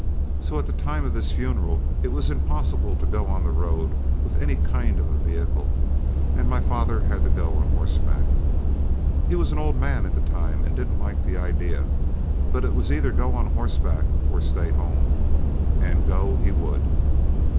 So at the time of this funeral it was impossible to go on the road with any kind of a vehicle, and my father had to go on horseback. He was an old man at the time and didn't like the idea, but it was either go on horseback or stay at home, and go he would.